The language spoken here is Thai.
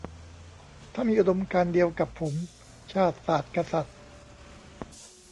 ถ้ามีอุดมการณ์เดียวกับผม ชาติ ศาสน์ กษัตริย์